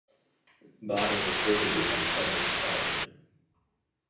Bardo reportedly had a troubled childhood.